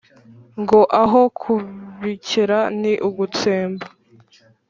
Ngo aho bukera ni ugutsemba.